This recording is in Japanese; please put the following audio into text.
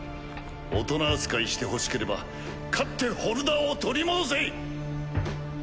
大人扱いしてほしければ勝ってホルダーを取り戻せ！